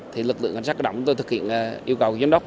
thì lực lượng cảnh sát cơ động tôi thực hiện yêu cầu giám đốc